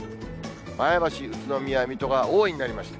前橋、宇都宮、水戸が多いになりました。